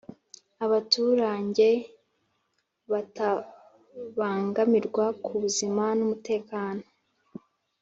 Abaturange batabangamirwa ku buzima n’umutekano